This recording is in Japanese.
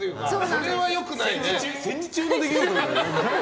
それは良くないね。